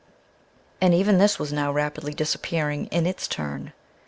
And even this was now rapidly disappearing in its turn.